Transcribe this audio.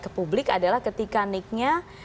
ke publik adalah ketika nicknya